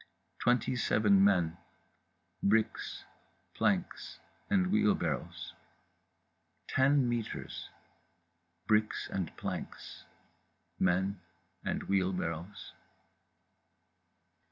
Twenty seven men, bricks, planks and wheelbarrows. Ten metres. Bricks and planks. Men and wheelbarrows….